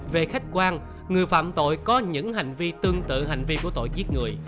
về khách quan người phạm tội có những hành vi tương tự hành vi của tội giết người